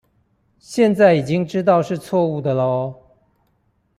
現在已經知道是錯誤的囉